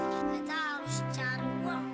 kita harus cari uang